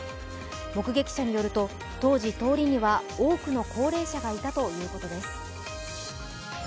目撃者によると、当時通りには多くの高齢者がいたということです。